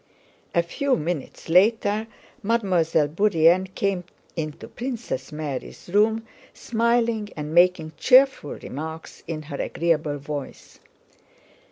A few minutes later Mademoiselle Bourienne came into Princess Mary's room smiling and making cheerful remarks in her agreeable voice.